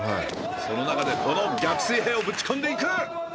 その中でこの逆水平をぶちこんでいく！